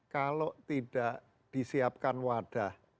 kalau tidak disiapkan wadah